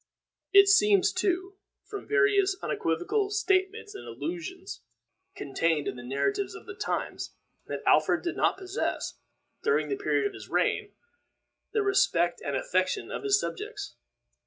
It seems, too, from various unequivocal statements and allusions contained in the narratives of the times, that Alfred did not possess, during this period of his reign, the respect and affection of his subjects.